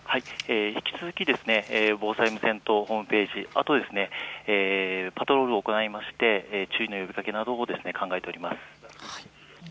引き続き防災無線とホームページ、パトロールを行いまして注意の呼びかけなども考えております。